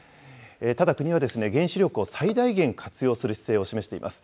ただ、国はですね、原子力を最大限活用する姿勢を示しています。